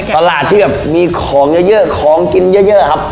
ตลาดที่แบบมีของเยอะของกินเยอะครับ